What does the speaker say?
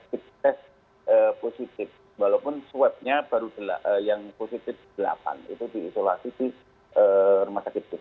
temda memutuskan keberadaan tenaga medis yang positif walaupun swabnya yang positif delapan itu diisolasi di rumah sakit